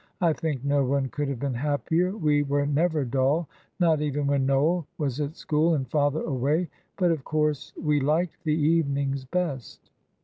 "I think no one could have been happier we were never dull, not even when Noel was at school and father away; but, of course, we liked the evenings best!"